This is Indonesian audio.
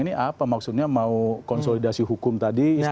ini apa maksudnya mau konsolidasi hukum tadi